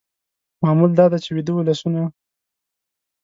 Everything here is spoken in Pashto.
معمول دا دی چې ویده ولسونه